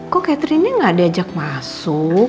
kok catherine gak diajak masuk